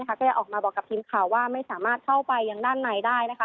ก็ได้ออกมาบอกกับทีมข่าวว่าไม่สามารถเข้าไปยังด้านในได้